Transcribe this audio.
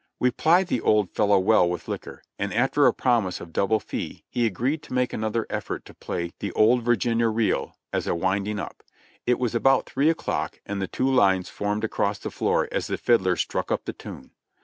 We plied the old fellow well with liquor, and after a promise of double fee he agreed to make another effort to play the "Old Vir ginia Reel," as a winding up. It was about three o'clock and the two lines formed across the floor as the fiddler struck up the tune.